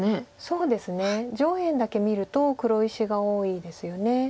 そうですね上辺だけ見ると黒石が多いですよね。